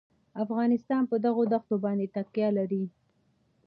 افغانستان په دغو دښتو باندې تکیه لري.